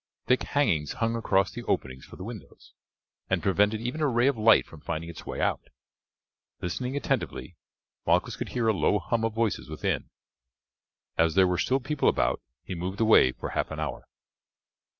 Thick hangings hung across the openings for the windows, and prevented even a ray of light from finding its way out. Listening attentively Malchus could hear a low hum of voices within. As there were still people about he moved away for half an hour.